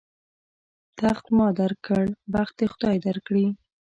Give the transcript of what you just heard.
تخت ما در کړ، بخت دې خدای در کړي.